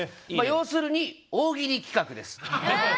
要するに大喜利企画です。